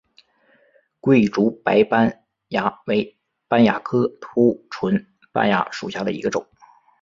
桂竹白斑蚜为斑蚜科凸唇斑蚜属下的一个种。